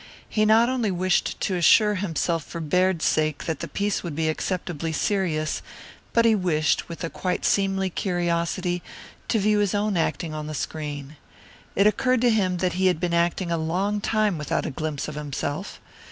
He not only wished to assure himself for Baird's sake that the piece would be acceptably serious, but he wished, with a quite seemly curiosity, to view his own acting on the screen. It occurred to him that he had been acting a long time without a glimpse of himself.